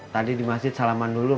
tadi di masjid salah nunggu gue ya mak